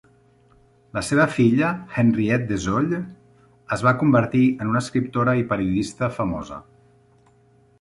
La seva filla Henriette Dessaulles es va convertir en una escriptora i periodista famosa.